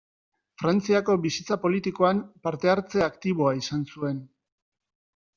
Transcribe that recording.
Frantziako bizitza politikoan parte hartze aktiboa izan zuen.